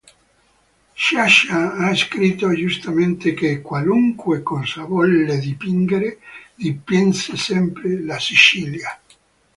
Sciascia ha scritto giustamente che: "Qualunque cosa volle dipingere dipinse sempre la Sicilia".